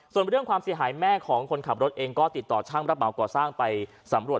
ส่วนเรื่องความเสียหายแม่ของคนขับรถเองก็ติดต่อช่างรับเหมาก่อสร้างไปสำรวจ